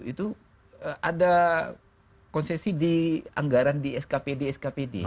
itu ada konsesi di anggaran di skpd skpd